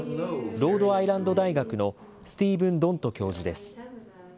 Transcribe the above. ロードアイランド大学のスティーブン・ドント教授です。